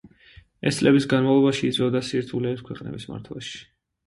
ეს წლების განმავლობაში იწვევდა სირთულეებს ქვეყნების მართვაში.